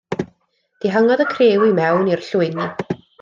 Dihangodd y criw i mewn i'r llwyni.